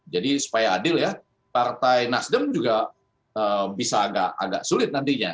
jadi supaya adil ya partai nasdem juga bisa agak sulit nantinya